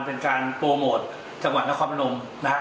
เป็นการโปรโมทจังหวัดค่ะคอปเึรินม